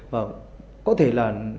và có thể là